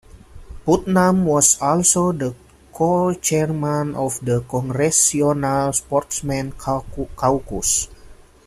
Putnam was also the co-chairman of the Congressional Sportsmen's Caucus.